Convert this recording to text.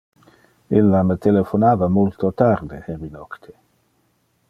Illa me telephonava multo tarde heri nocte.